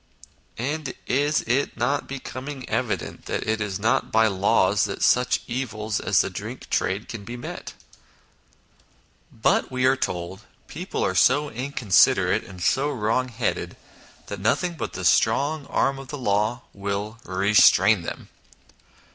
And is it not becoming evident that it is not by laws that such evils as the drink trade can be met ? But, we are told, people are so inconsiderate and so wrong headed that nothing but the strong arm of the law will restrain them.